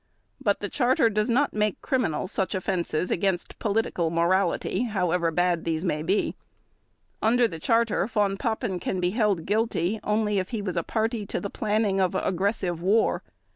But the Charter does not make criminal such offenses against political morality, however bad these may be. Under the Charter Von Papen can be held guilty only if he was a party to the planning of aggressive war.